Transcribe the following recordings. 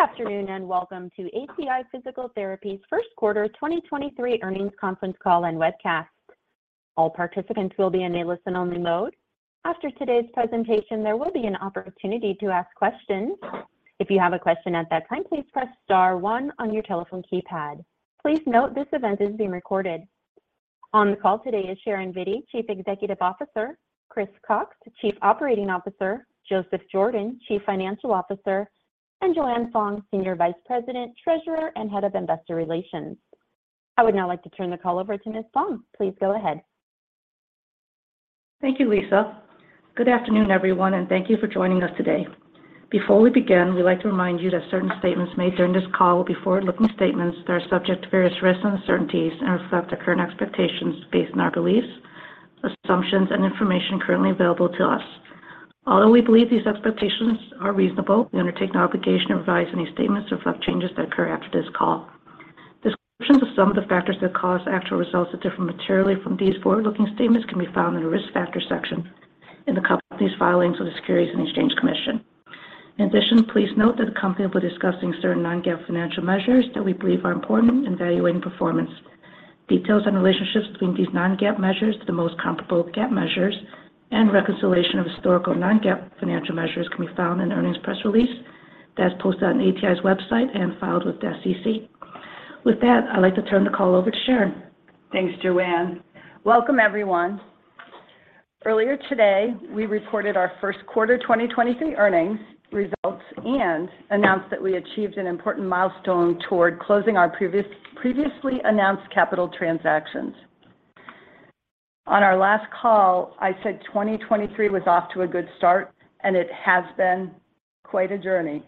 Good afternoon, and welcome to ATI Physical Therapy's Q1 2023 earnings conference call and webcast. All participants will be in a listen-only mode. After today's presentation, there will be an opportunity to ask questions. If you have a question at that time, please press star one on your telephone keypad. Please note this event is being recorded. On the call today is Sharon Vitti, Chief Executive Officer, Chris Cox, Chief Operating Officer, Joseph Jordan, Chief Financial Officer, and Joanne Fong, Senior Vice President, Treasurer, and Head of Investor Relations. I would now like to turn the call over to Ms. Fong. Please go ahead. Thank you, Lisa. Good afternoon, everyone, and thank you for joining us today. Before we begin, we'd like to remind you that certain statements made during this call were forward-looking statements that are subject to various risks and uncertainties and reflect the current expectations based on our beliefs, assumptions, and information currently available to us. Although we believe these expectations are reasonable, we undertake no obligation to revise any statements or reflect changes that occur after this call. Descriptions of some of the factors that cause actual results to differ materially from these forward-looking statements can be found in the Risk Factors section in the company's filings with the Securities and Exchange Commission. In addition, please note that the company will be discussing certain non-GAAP financial measures that we believe are important in evaluating performance. Details on relationships between these non-GAAP measures to the most comparable GAAP measures and reconciliation of historical non-GAAP financial measures can be found in the earnings press release that's posted on ATI's website and filed with the SEC. With that, I'd like to turn the call over to Sharon. Thanks, Joanne. Welcome, everyone. Earlier today, we reported our Q1 2023 earnings results and announced that we achieved an important milestone toward closing our previously announced capital transactions. On our last call, I said 2023 was off to a good start, and it has been quite a journey.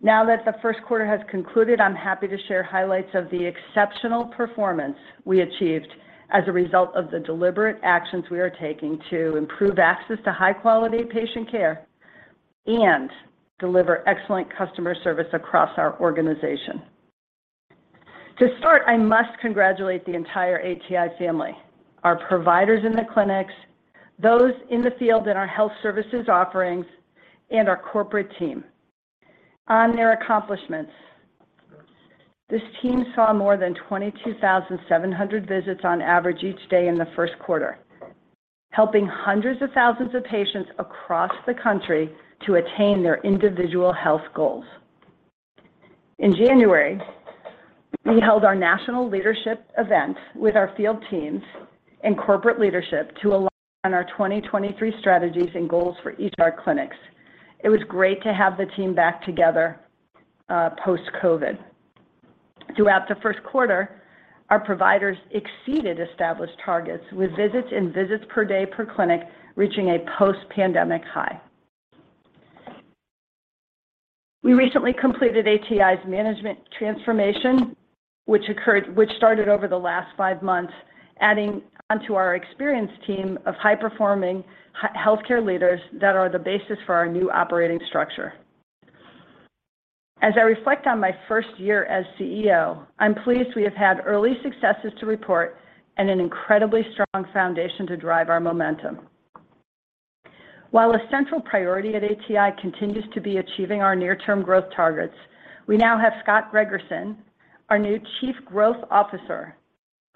Now that the Q1 has concluded, I'm happy to share highlights of the exceptional performance we achieved as a result of the deliberate actions we are taking to improve access to high-quality patient care and deliver excellent customer service across our organization. To start, I must congratulate the entire ATI family, our providers in the clinics, those in the field in our health services offerings, and our corporate team on their accomplishments. This team saw more than 22,700 visits on average each day in the Q1, helping hundreds of thousands of patients across the country to attain their individual health goals. In January, we held our national leadership event with our field teams and corporate leadership to align on our 2023 strategies and goals for each of our clinics. It was great to have the team back together, post-COVID. Throughout the Q1, our providers exceeded established targets, with visits and visits per day per clinic reaching a post-pandemic high. We recently completed ATI's management transformation, which started over the last five months, adding onto our experienced team of high-performing healthcare leaders that are the basis for our new operating structure. As I reflect on my first year as CEO, I'm pleased we have had early successes to report and an incredibly strong foundation to drive our momentum. While a central priority at ATI continues to be achieving our near-term growth targets, we now have Scott Gregerson, our new Chief Growth Officer,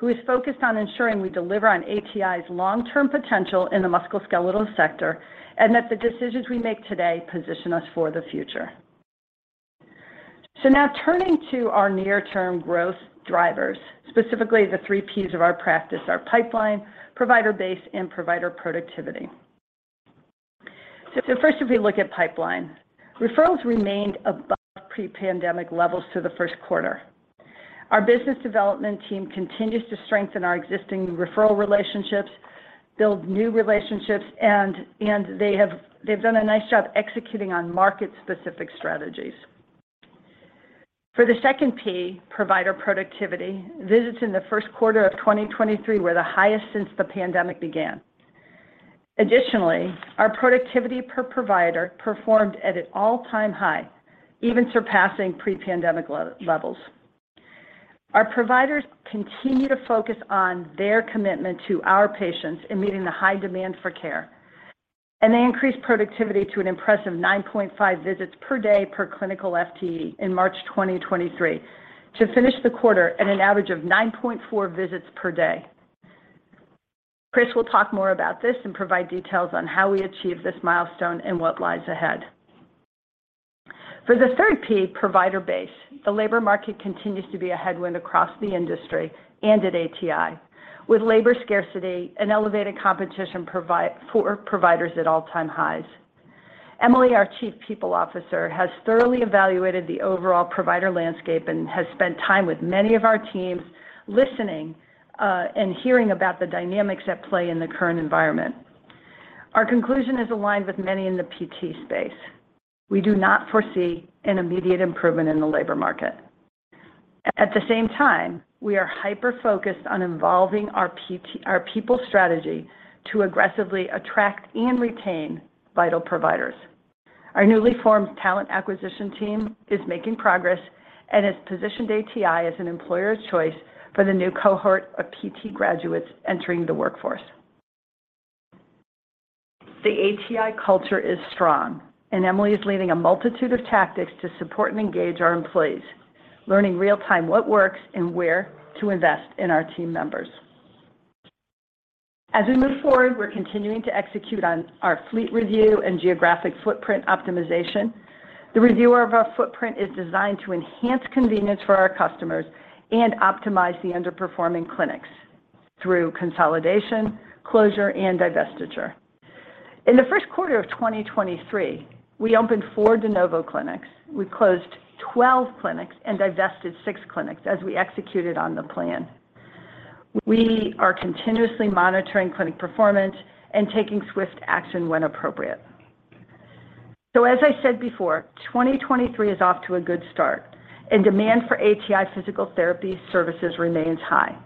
who is focused on ensuring we deliver on ATI's long-term potential in the musculoskeletal sector and that the decisions we make today position us for the future. Now turning to our near-term growth drivers, specifically the three Ps of our practice, our pipeline, provider base, and provider productivity. First, if we look at pipeline, referrals remained above pre-pandemic levels through the Q1. Our business development team continues to strengthen our existing referral relationships, build new relationships, and they've done a nice job executing on market-specific strategies. For the second P, provider productivity, visits in the Q1 of 2023 were the highest since the pandemic began. Additionally, our productivity per provider performed at an all-time high, even surpassing pre-pandemic levels. Our providers continue to focus on their commitment to our patients in meeting the high demand for care. They increased productivity to an impressive 9.5 visits per day per clinical FTE in March 2023 to finish the quarter at an average of 9.4 visits per day. Chris will talk more about this and provide details on how we achieved this milestone and what lies ahead. For the third P, provider base, the labor market continues to be a headwind across the industry and at ATI, with labor scarcity and elevated competition for providers at all-time highs. Emily, our Chief People Officer, has thoroughly evaluated the overall provider landscape and has spent time with many of our teams listening and hearing about the dynamics at play in the current environment. Our conclusion is aligned with many in the PT space. We do not foresee an immediate improvement in the labor market. At the same time, we are hyper-focused on evolving our people strategy to aggressively attract and retain vital providers. Our newly formed talent acquisition team is making progress and has positioned ATI as an employer of choice for the new cohort of PT graduates entering the workforce. The ATI culture is strong and Emily is leading a multitude of tactics to support and engage our employees, learning real-time what works and where to invest in our team members. As we move forward, we're continuing to execute on our fleet review and geographic footprint optimization. The review of our footprint is designed to enhance convenience for our customers and optimize the underperforming clinics through consolidation, closure, and divestiture. In the Q1 of 2023, we opened four de novo clinics. We closed 12 clinics and divested 6 clinics as we executed on the plan. We are continuously monitoring clinic performance and taking swift action when appropriate. As I said before, 2023 is off to a good start, and demand for ATI Physical Therapy services remains high.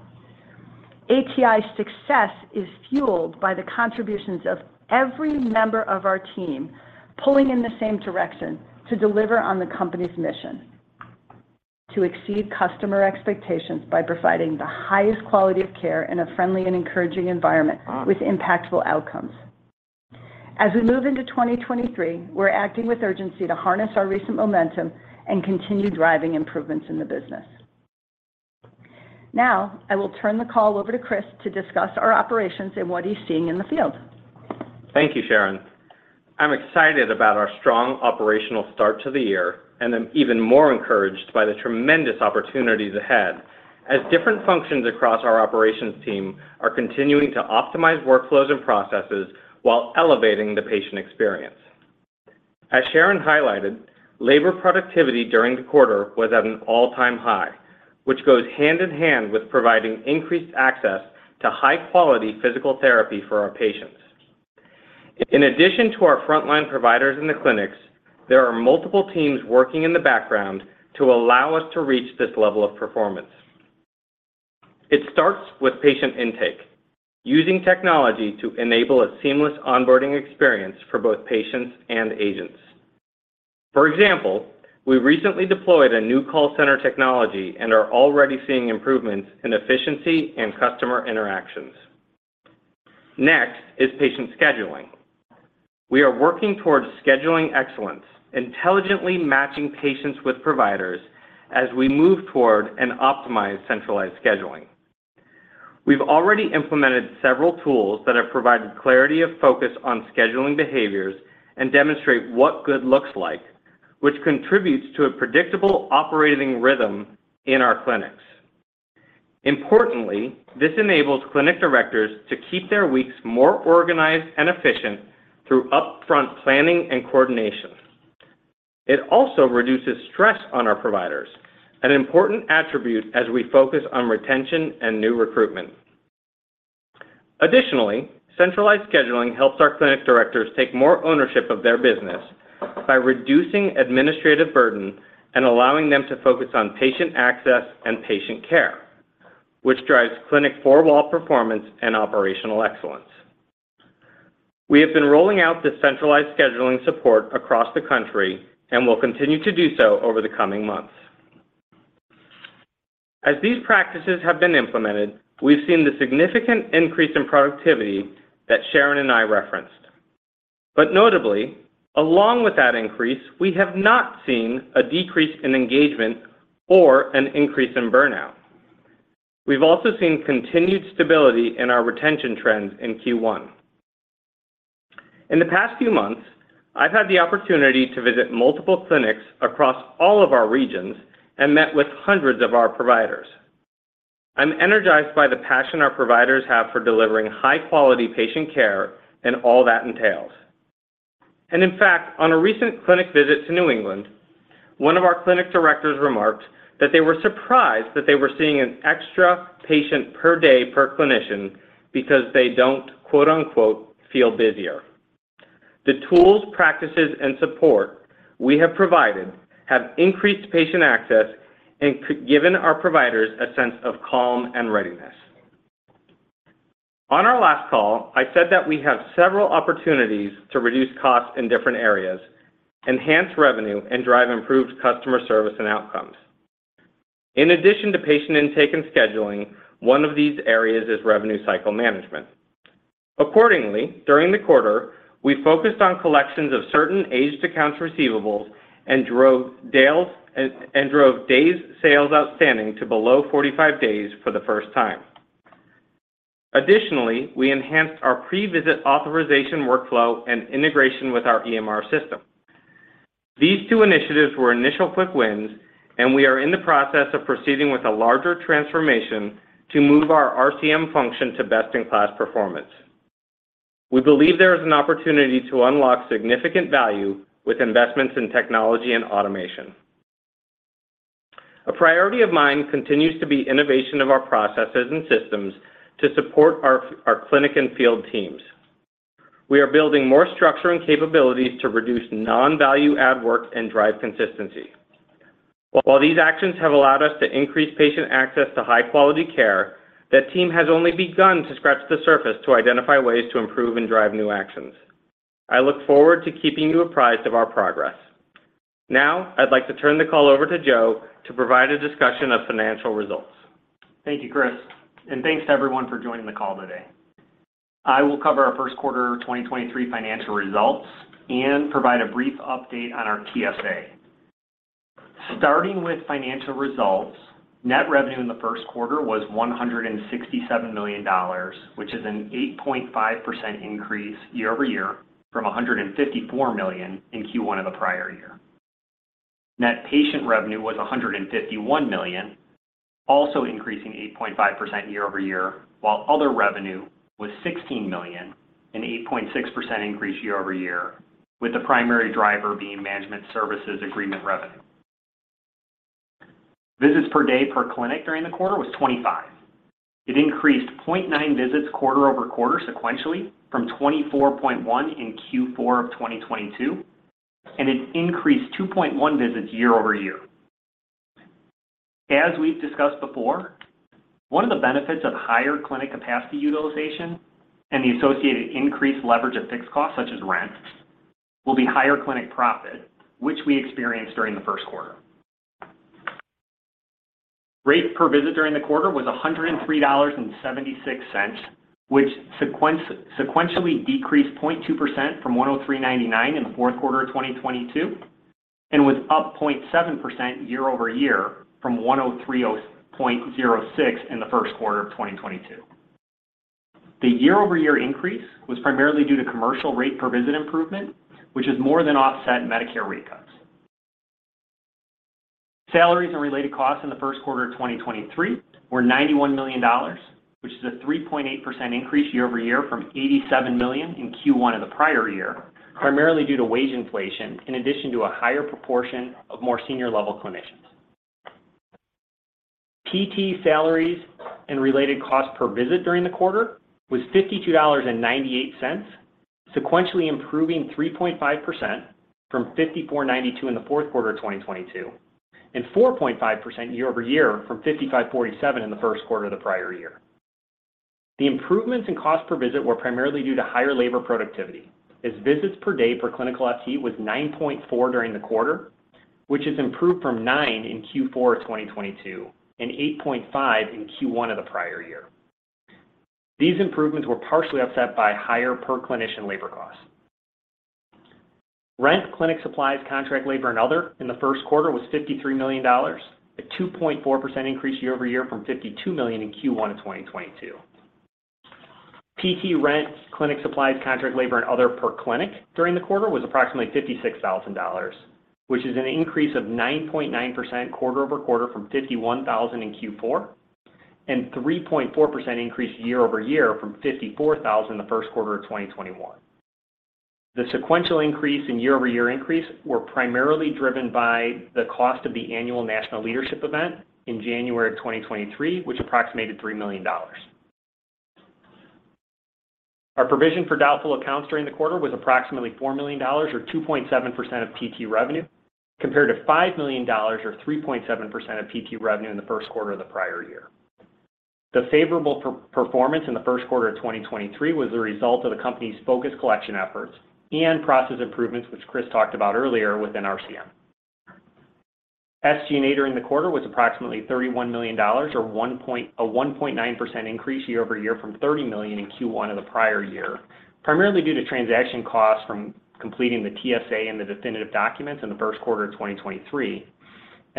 ATI's success is fueled by the contributions of every member of our team pulling in the same direction to deliver on the company's mission to exceed customer expectations by providing the highest quality of care in a friendly and encouraging environment with impactful outcomes. As we move into 2023, we're acting with urgency to harness our recent momentum and continue driving improvements in the business. Now, I will turn the call over to Chris to discuss our operations and what he's seeing in the field. Thank you, Sharon. I'm excited about our strong operational start to the year, and I'm even more encouraged by the tremendous opportunities ahead as different functions across our operations team are continuing to optimize workflows and processes while elevating the patient experience. As Sharon highlighted, labor productivity during the quarter was at an all-time high, which goes hand in hand with providing increased access to high-quality physical therapy for our patients. In addition to our frontline providers in the clinics, there are multiple teams working in the background to allow us to reach this level of performance. It starts with patient intake using technology to enable a seamless onboarding experience for both patients and agents. For example, we recently deployed a new call center technology and are already seeing improvements in efficiency and customer interactions. Next is patient scheduling. We are working towards scheduling excellence, intelligently matching patients with providers as we move toward an optimized centralized scheduling. We've already implemented several tools that have provided clarity of focus on scheduling behaviors and demonstrate what good looks like, which contributes to a predictable operating rhythm in our clinics. Importantly, this enables clinic directors to keep their weeks more organized and efficient through upfront planning and coordination. It also reduces stress on our providers, an important attribute as we focus on retention and new recruitment. Additionally, centralized scheduling helps our clinic directors take more ownership of their business by reducing administrative burden and allowing them to focus on patient access and patient care, which drives clinic four-wall performance and operational excellence. We have been rolling out this centralized scheduling support across the country and will continue to do so over the coming months. As these practices have been implemented, we've seen the significant increase in productivity that Sharon and I referenced. Notably, along with that increase, we have not seen a decrease in engagement or an increase in burnout. We've also seen continued stability in our retention trends in Q1. In the past few months, I've had the opportunity to visit multiple clinics across all of our regions and met with hundreds of our providers. I'm energized by the passion our providers have for delivering high-quality patient care and all that entails. In fact, on a recent clinic visit to New England, one of our clinic directors remarked that they were surprised that they were seeing an extra patient per day per clinician because they don't, quote-unquote feel busier. The tools, practices, and support we have provided have increased patient access and given our providers a sense of calm and readiness. On our last call, I said that we have several opportunities to reduce costs in different areas, enhance revenue, and drive improved customer service and outcomes. In addition to patient intake and scheduling, one of these areas is revenue cycle management. Accordingly, during the quarter, we focused on collections of certain aged accounts receivables and drove days sales outstanding to below 45 days for the first time. Additionally, we enhanced our pre-visit authorization workflow and integration with our EMR system. These two initiatives were initial quick wins, and we are in the process of proceeding with a larger transformation to move our RCM function to best-in-class performance. We believe there is an opportunity to unlock significant value with investments in technology and automation. A priority of mine continues to be innovation of our processes and systems to support our clinic and field teams. We are building more structure and capabilities to reduce non-value add work and drive consistency. While these actions have allowed us to increase patient access to high-quality care, the team has only begun to scratch the surface to identify ways to improve and drive new actions. I look forward to keeping you apprised of our progress. Now I'd like to turn the call over to Joe to provide a discussion of financial results. Thank you, Chris. Thanks to everyone for joining the call today. I will cover our Q1 2023 financial results and provide a brief update on our TSA. Starting with financial results, net revenue in the Q1 was $167 million, which is an 8.5% increase year-over-year from $154 million in Q1 of the prior year. Net patient revenue was $151 million, also increasing 8.5% year-over-year, while other revenue was $16 million, an 8.6% increase year-over-year, with the primary driver being management services agreement revenue. Visits per day per clinic during the quarter was 25. It increased 0.9 visits quarter-over-quarter sequentially from 24.1 in Q4 of 2022, and it increased 2.1 visits year-over-year. As we've discussed before, one of the benefits of higher clinic capacity utilization and the associated increased leverage of fixed costs such as rent will be higher clinic profit, which we experienced during the Q1. Rate per visit during the quarter was $103.76, which sequentially decreased 0.2% from $103.99 in the Q4 of 2022 and was up 0.7% year-over-year from $103.06 in the Q1 of 2022. The year-over-year increase was primarily due to commercial rate per visit improvement, which has more than offset Medicare rate cuts. Salaries and related costs in the Q1 of 2023 were $91 million, which is a 3.8% increase year-over-year from $87 million in Q1 of the prior year, primarily due to wage inflation in addition to a higher proportion of more senior level clinicians. PT salaries and related costs per visit during the quarter was $52.98, sequentially improving 3.5% from $54.92 in the Q4 of 2022 and 4.5% year-over-year from $55.47 in the Q1 of the prior year. The improvements in cost per visit were primarily due to higher labor productivity as visits per day per clinical FT was 9.4 during the quarter, which has improved from 9 in Q4 of 2022 and 8.5 in Q1 of the prior year. These improvements were partially offset by higher per clinician labor costs. Rent, clinic supplies, contract labor, and other in the Q1 was $53 million, a 2.4% increase year-over-year from $52 million in Q1 of 2022. PT rent, clinic supplies, contract labor, and other per clinic during the quarter was approximately $56,000, which is an increase of 9.9% quarter-over-quarter from $51,000 in Q4 and 3.4% increase year-over-year from $54,000 in the Q1 of 2021. The sequential increase and year-over-year increase were primarily driven by the cost of the annual national leadership event in January of 2023, which approximated $3 million. Our provision for doubtful accounts during the quarter was approximately $4 million or 2.7% of PT revenue compared to $5 million or 3.7% of PT revenue in the Q1 of the prior year. The favorable performance in the Q1 of 2023 was the result of the company's focused collection efforts and process improvements, which Chris talked about earlier within RCM. SG&A during the quarter was approximately $31 million or a 1.9% increase year-over-year from $30 million in Q1 of the prior year, primarily due to transaction costs from completing the TSA and the definitive documents in the Q1 of 2023.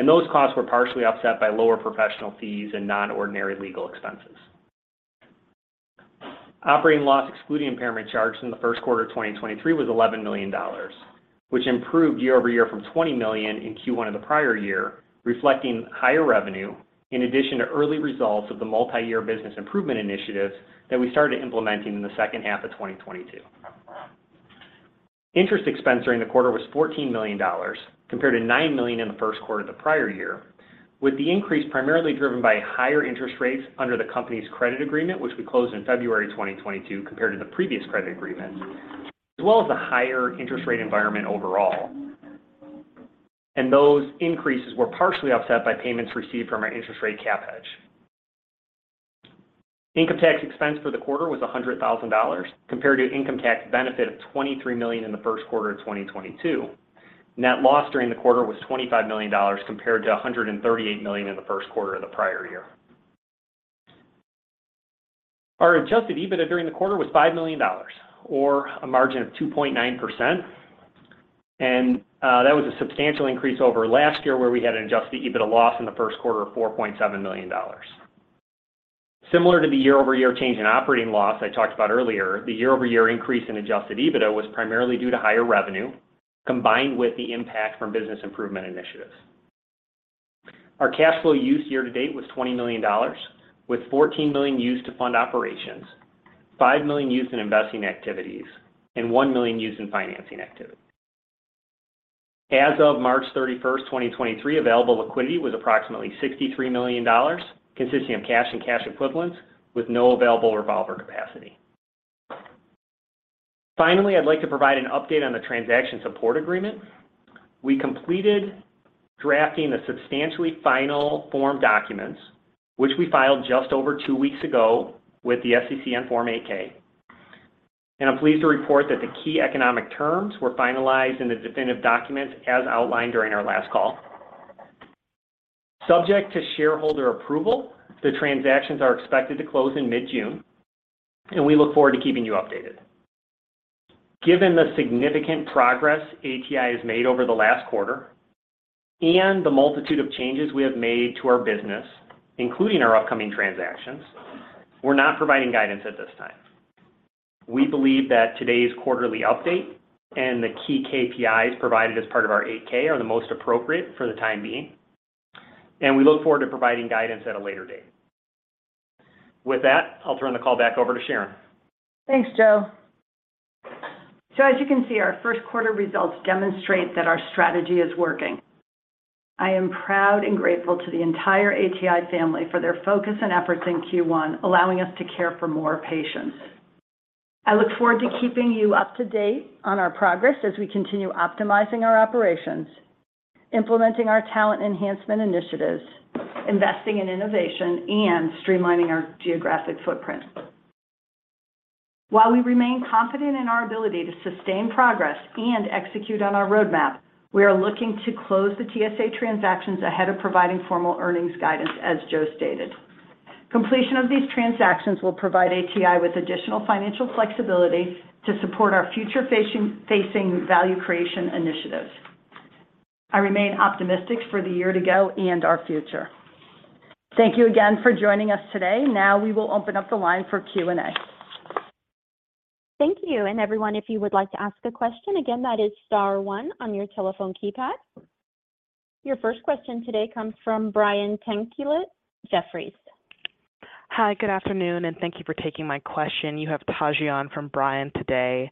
Those costs were partially offset by lower professional fees and non-ordinary legal expenses. Operating loss excluding impairment charges in the Q1 of 2023 was $11 million, which improved year-over-year from $20 million in Q1 of the prior year, reflecting higher revenue in addition to early results of the multi-year business improvement initiatives that we started implementing in the H2 of 2022. Interest expense during the quarter was $14 million compared to $9 million in the Q1 of the prior year, with the increase primarily driven by higher interest rates under the company's credit agreement, which we closed in February 2022 compared to the previous credit agreement, as well as the higher interest rate environment overall. Those increases were partially offset by payments received from our interest rate cap hedge. Income tax expense for the quarter was $100,000 compared to income tax benefit of $23 million in the Q1 of 2022. Net loss during the quarter was $25 million compared to $138 million in the Q1 of the prior year. Our adjusted EBITDA during the quarter was $5 million or a margin of 2.9%. That was a substantial increase over last year where we had an adjusted EBITDA loss in the Q1 of $4.7 million. Similar to the year-over-year change in operating loss I talked about earlier, the year-over-year increase in adjusted EBITDA was primarily due to higher revenue combined with the impact from business improvement initiatives. Our cash flow use year to date was $20 million, with $14 million used to fund operations, $5 million used in investing activities, and $1 million used in financing activities. As of March 31, 2023, available liquidity was approximately $63 million, consisting of cash and cash equivalents with no available revolver capacity. I'd like to provide an update on the transaction support agreement. We completed drafting the substantially final form documents, which we filed just over two weeks ago with the SEC and Form 8-K. I'm pleased to report that the key economic terms were finalized in the definitive documents as outlined during our last call. Subject to shareholder approval, the transactions are expected to close in mid-June, and we look forward to keeping you updated. Given the significant progress ATI has made over the last quarter and the multitude of changes we have made to our business, including our upcoming transactions, we're not providing guidance at this time. We believe that today's quarterly update and the key KPIs provided as part of our 8-K are the most appropriate for the time being. We look forward to providing guidance at a later date. With that, I'll turn the call back over to Sharon. Thanks, Joe. As you can see, our Q1 results demonstrate that our strategy is working. I am proud and grateful to the entire ATI family for their focus and efforts in Q1, allowing us to care for more patients. I look forward to keeping you up to date on our progress as we continue optimizing our operations, implementing our talent enhancement initiatives, investing in innovation, and streamlining our geographic footprint. While we remain confident in our ability to sustain progress and execute on our roadmap, we are looking to close the TSA transactions ahead of providing formal earnings guidance, as Joe stated. Completion of these transactions will provide ATI with additional financial flexibility to support our future-facing value creation initiatives. I remain optimistic for the year to go and our future. Thank you again for joining us today. We will open up the line for Q&A. Thank you. Everyone, if you would like to ask a question, again, that is star one on your telephone keypad. Your first question today comes from Brian Tanquilut at Jefferies. Hi, good afternoon, and thank you for taking my question. You have Taji from Brian today.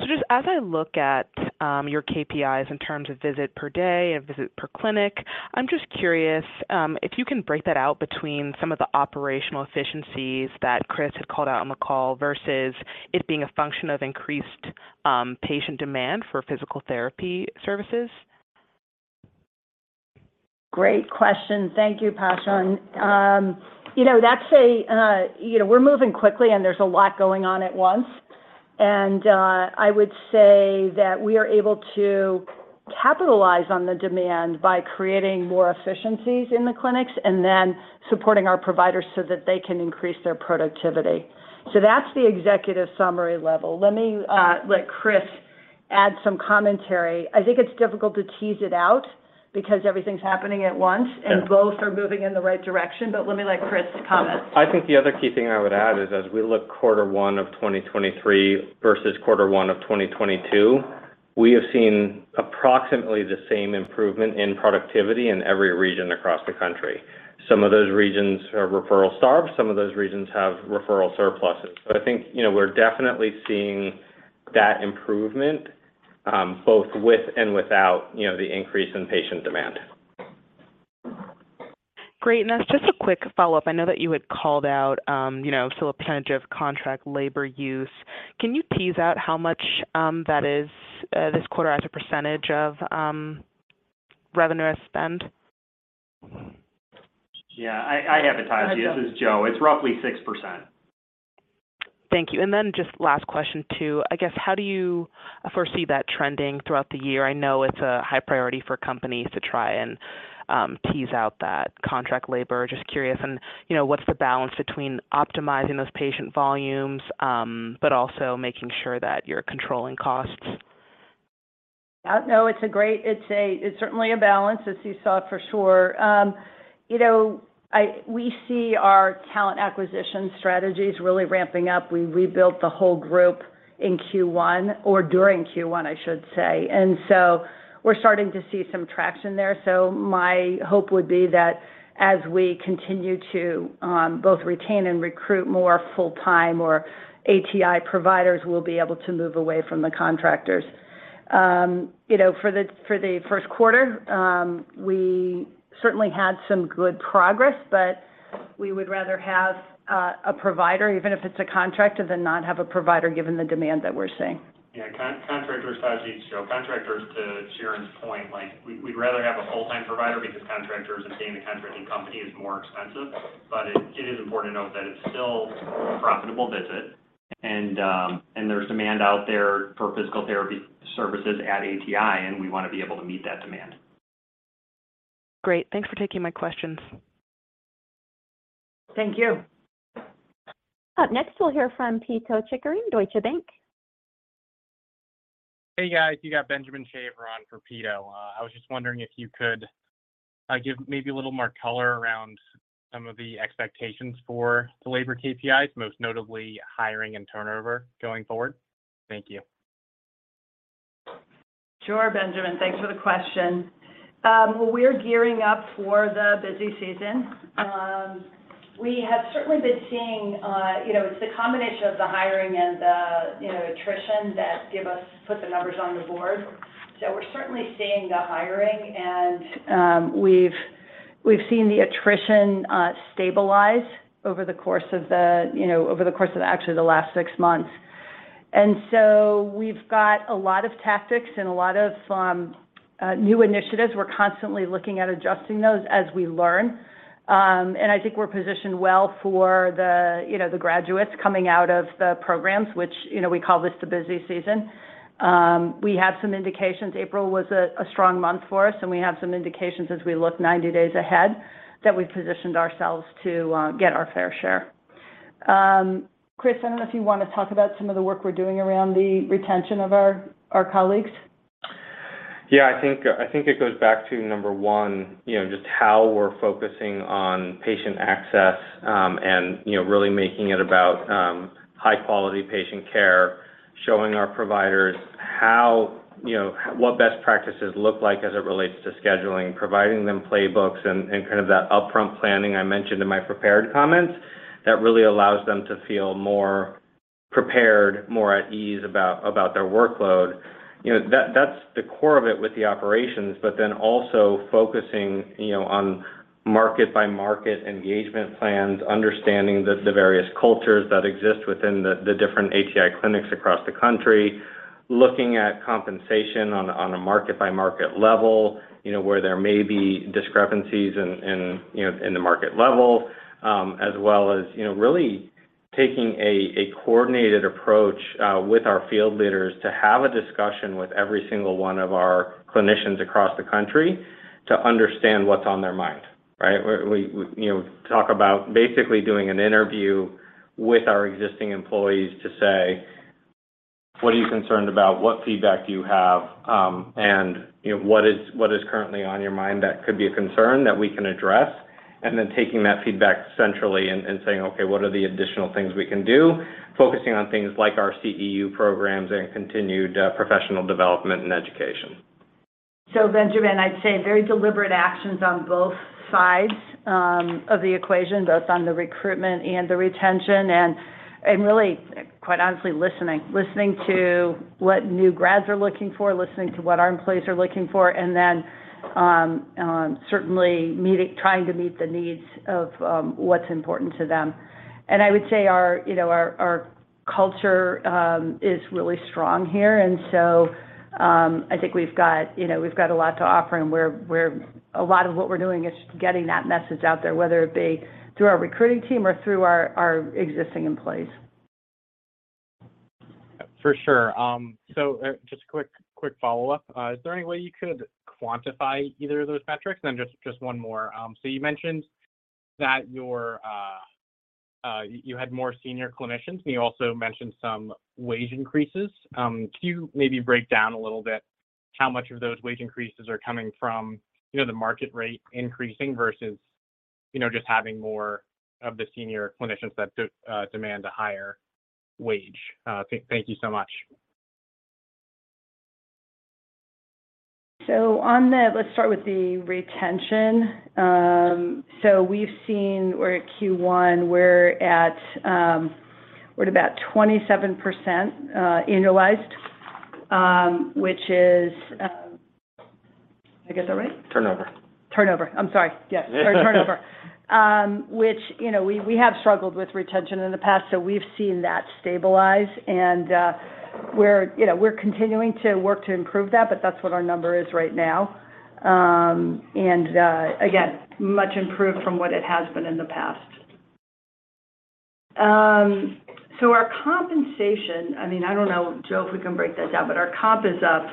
Just as I look at your KPIs in terms of visit per day and visit per clinic, I'm just curious if you can break that out between some of the operational efficiencies that Chris had called out on the call versus it being a function of increased patient demand for physical therapy services? Great question. Thank you, Taji. You know, we're moving quickly, and there's a lot going on at once. I would say that we are able to capitalize on the demand by creating more efficiencies in the clinics and then supporting our providers so that they can increase their productivity. That's the executive summary level. Let me let Chris add some commentary. I think it's difficult to tease it out because everything's happening at once. Yeah Both are moving in the right direction, but let me let Chris comment. I think the other key thing I would add is, as we look quarter one of 2023 versus quarter one of 2022, we have seen approximately the same improvement in productivity in every region across the country. Some of those regions are referral starved, some of those regions have referral surpluses. I think, you know, we're definitely seeing that improvement, both with and without, you know, the increase in patient demand. Great. Just a quick follow-up. I know that you had called out, you know, still a percentage of contract labor use. Can you tease out how much that is this quarter as a percentage of revenue spend? Yeah. I have it, Tajon. This is Joe. It's roughly 6%. Thank you. Just last question, too. I guess, how do you foresee that trending throughout the year? I know it's a high priority for companies to try and tease out that contract labor. Just curious and, you know, what's the balance between optimizing those patient volumes, but also making sure that you're controlling costs? No, it's a great. It's certainly a balance, as you saw, for sure. You know, we see our talent acquisition strategies really ramping up. We rebuilt the whole group in Q1, or during Q1, I should say. We're starting to see some traction there. My hope would be that as we continue to both retain and recruit more full-time or ATI providers, we'll be able to move away from the contractors. You know, for the, for the Q1, we certainly had some good progress, but we would rather have a provider, even if it's a contractor, than not have a provider given the demand that we're seeing. Yeah. Contractors, Tajon, it's Joe. Contractors, to Sharon's point, like, we'd rather have a full-time provider because contractors and being a contracting company is more expensive. It is important to note that it's still a profitable visit and there's demand out there for physical therapy services at ATI, and we wanna be able to meet that demand. Great. Thanks for taking my questions. Thank you. Up next, we'll hear from Peter Kochanari, Deutsche Bank. Hey, guys. You got Benjamin Shaver on for Peter. I was just wondering if you could give maybe a little more color around some of the expectations for the labor KPIs, most notably hiring and turnover going forward. Thank you. Sure, Benjamin. Thanks for the question. Well, we're gearing up for the busy season. We have certainly been seeing, you know, it's the combination of the hiring and the, you know, attrition that put the numbers on the board. We're certainly seeing the hiring and we've seen the attrition stabilize over the course of the, you know, over the course of actually the last 6 months. We've got a lot of tactics and a lot of new initiatives. We're constantly looking at adjusting those as we learn. I think we're positioned well for the, you know, the graduates coming out of the programs, which, you know, we call this the busy season. We have some indications April was a strong month for us, and we have some indications as we look 90 days ahead that we've positioned ourselves to get our fair share. Chris, I don't know if you wanna talk about some of the work we're doing around the retention of our colleagues. Yeah. I think it goes back to number one, you know, just how we're focusing on patient access, and, you know, really making it about high-quality patient care, showing our providers how, you know, what best practices look like as it relates to scheduling, providing them playbooks and kind of that upfront planning I mentioned in my prepared comments that really allows them to feel more prepared, more at ease about their workload. You know, that's the core of it with the operations, but then also focusing, you know, on market-by-market engagement plans, understanding the various cultures that exist within the different ATI clinics across the country, looking at compensation on a market-by-market level, you know, where there may be discrepancies in, you know, in the market level, as well as, you know, really taking a coordinated approach with our field leaders to have a discussion with every single one of our clinicians across the country to understand what's on their mind, right? We, you know, talk about basically doing an interview with our existing employees to say, "What are you concerned about? What feedback do you have, and, you know, what is currently on your mind that could be a concern that we can address?" Then taking that feedback centrally and saying, "Okay. What are the additional things we can do?" Focusing on things like our CEU programs and continued professional development and education. Benjamin, I'd say very deliberate actions on both sides of the equation, both on the recruitment and the retention. Really, quite honestly, listening. Listening to what new grads are looking for, listening to what our employees are looking for, and then certainly trying to meet the needs of what's important to them. I would say our, you know, our culture is really strong here. I think we've got, you know, we've got a lot to offer, and we're a lot of what we're doing is just getting that message out there, whether it be through our recruiting team or through our existing employees. For sure. Just a quick follow-up. Is there any way you could quantify either of those metrics? Just one more. You mentioned that your, you had more senior clinicians, and you also mentioned some wage increases. Can you maybe break down a little bit how much of those wage increases are coming from, you know, the market rate increasing versus, you know, just having more of the senior clinicians that do demand a higher wage? Thank you so much. On the, let's start with the retention. We're at Q1. We're at about 27%, annualized, which is, did I get that right? Turnover. Turnover. I'm sorry. Yes. Sorry, turnover. Which, you know, we have struggled with retention in the past, so we've seen that stabilize. We're, you know, we're continuing to work to improve that, but that's what our number is right now. Again, much improved from what it has been in the past. Our compensation, I mean, I don't know, Joe, if we can break that down, but our comp is up.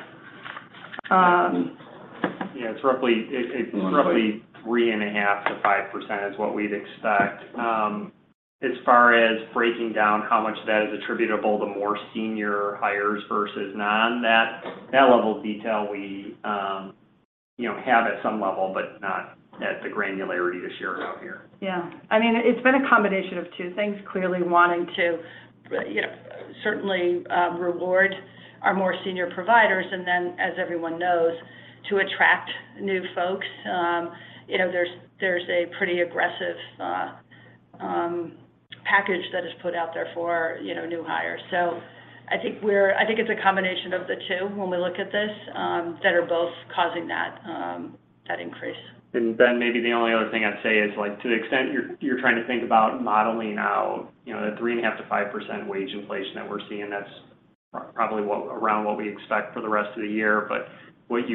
It's roughly 3.5%-5% is what we'd expect. As far as breaking down how much of that is attributable to more senior hires versus non, that level of detail we, you know, have at some level, but not at the granularity to share out here. I mean, it's been a combination of two things. Clearly wanting to, you know, certainly, reward our more senior providers, and then as everyone knows, to attract new folks. You know, there's a pretty aggressive package that is put out there for, you know, new hires. I think it's a combination of the two when we look at this, that are both causing that increase. Ben, maybe the only other thing I'd say is, like, to the extent you're trying to think about modeling out, you know, the 3.5%-5% wage inflation that we're seeing, that's probably around what we expect for the rest of the year. What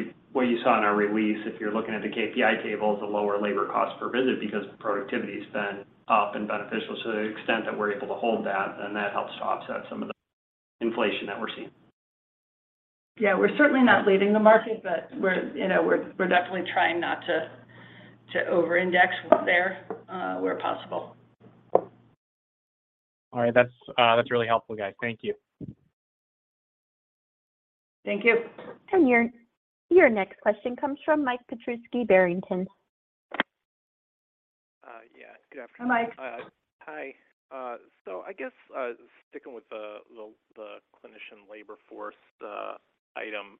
you saw in our release, if you're looking at the KPI table, is a lower labor cost per visit because the productivity's been up and beneficial. To the extent that we're able to hold that helps to offset some of the inflation that we're seeing. Yeah. We're certainly not leading the market, but we're, you know, we're definitely trying not to over-index there, where possible. All right. That's, that's really helpful, guys. Thank you. Thank you. Your next question comes from Michael Petusky, Barrington. Yeah. Good afternoon. Hi, Mike. Hi. I guess, sticking with the clinician labor force item,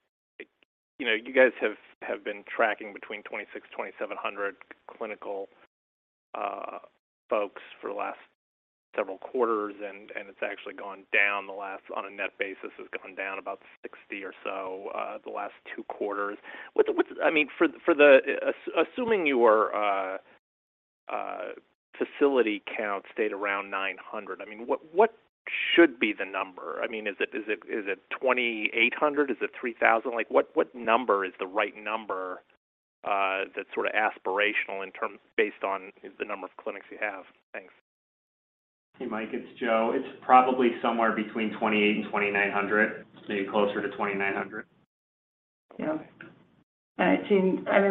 you know, you guys have been tracking between 2,600-2,700 clinical folks for the last several quarters, and it's actually gone down on a net basis, it's gone down about 60 or so, the last two quarters. I mean, for the assuming you are facility count stayed around 900, what should be the number? I mean, is it 2,800? Is it 3,000? Like, what number is the right number that's sort of aspirational based on the number of clinics you have? Thanks. Hey, Mike, it's Joe. It's probably somewhere between 2,800 and 2,900, maybe closer to 2,900. Yeah.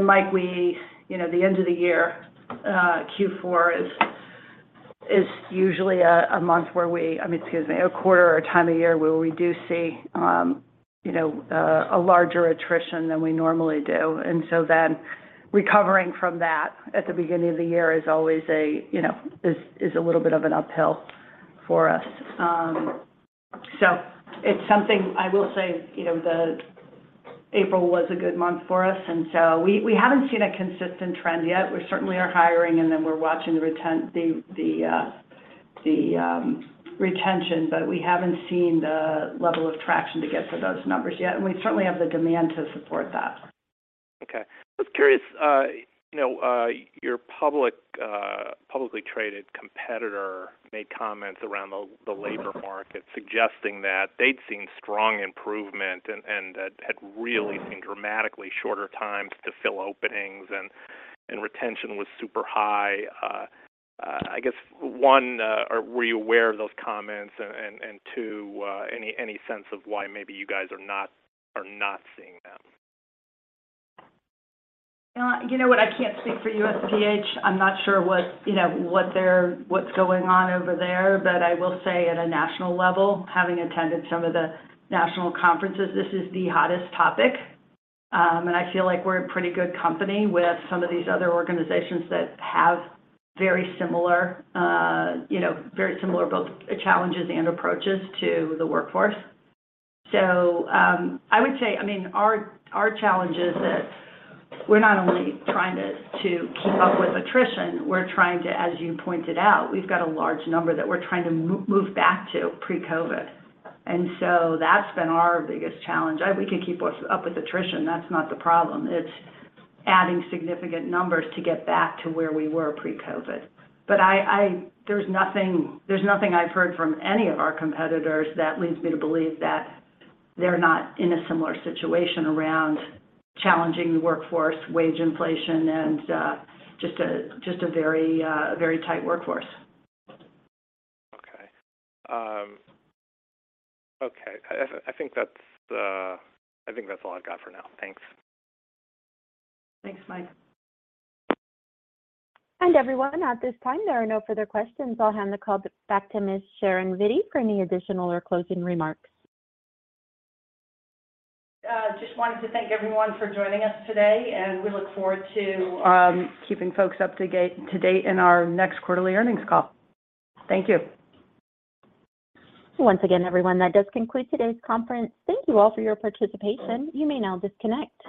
Mike, we, you know, the end of the year, Q4 is usually a month where we, I mean, excuse me, a quarter or time of year where we do see, you know, a larger attrition than we normally do. Recovering from that at the beginning of the year is always a, you know, is a little bit of an uphill for us. It's something I will say, you know, the April was a good month for us, we haven't seen a consistent trend yet. We certainly are hiring, we're watching the retention, we haven't seen the level of traction to get to those numbers yet, we certainly have the demand to support that. Okay. I was curious, you know, your public, publicly traded competitor made comments around the labor market suggesting that they'd seen strong improvement and that had really seen dramatically shorter times to fill openings and retention was super high. I guess one, or were you aware of those comments, and two, any sense of why maybe you guys are not seeing them? You know what? I can't speak for USPH. I'm not sure what, you know, what's going on over there. I will say at a national level, having attended some of the national conferences, this is the hottest topic. I feel like we're in pretty good company with some of these other organizations that have very similar, you know, very similar both challenges and approaches to the workforce. I would say, I mean, our challenge is that we're not only trying to keep up with attrition, we're trying to, as you pointed out, we've got a large number that we're trying to move back to pre-COVID. That's been our biggest challenge. We can keep us up with attrition. That's not the problem. It's adding significant numbers to get back to where we were pre-COVID. There's nothing I've heard from any of our competitors that leads me to believe that they're not in a similar situation around challenging the workforce, wage inflation, and just a very tight workforce. Okay. Okay. I think that's, I think that's all I've got for now. Thanks. Thanks, Mike. Everyone, at this time, there are no further questions. I'll hand the call back to Ms. Sharon Vitti for any additional or closing remarks. Just wanted to thank everyone for joining us today, and we look forward to keeping folks up to date in our next quarterly earnings call. Thank you. Once again, everyone, that does conclude today's conference. Thank you all for your participation. You may now disconnect.